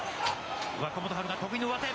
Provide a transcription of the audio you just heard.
若元春が得意の上手。